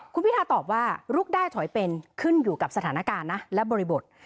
คุณพิทาตอบว่าลุกได้ถอยเป็นขึ้นอยู่กับสถานการณ์นะและบริบท